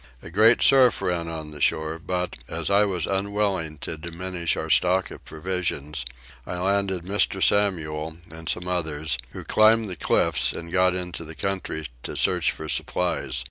A great surf ran on the shore but, as I was unwilling to diminish our stock of provisions, I landed Mr. Samuel and some others, who climbed the cliffs and got into the country to search for supplies.